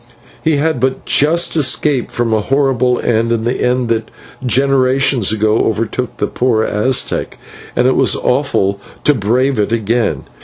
He had but just escaped from a horrible end, the end that generations ago overtook the poor Aztec, and it was awful to brave it again.